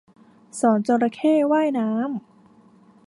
สอนจระเข้ว่ายน้ำ